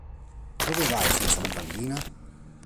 Dove vai senza mutandine?